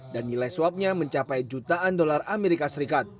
dan nilai suapnya mencapai jutaan dolar as